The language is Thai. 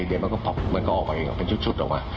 เดี๋ยวมันก็ปลอกมันก็ออกไปเป็นชุดออกมา